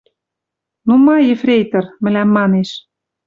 «Ну, ма ефрейтор, — мӹлӓм манеш, —